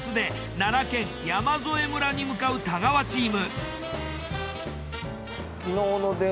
奈良県山添村に向かう太川チーム。